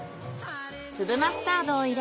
粒マスタードを入れ